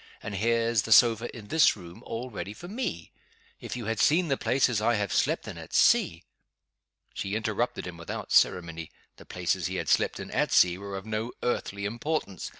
And here's the sofa, in this room, all ready for me. If you had seen the places I have slept in at sea !" She interrupted him, without ceremony. The places he had slept in, at sea, were of no earthly importance.